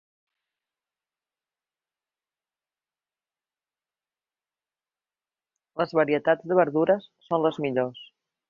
Les varietats de verdures són les millors.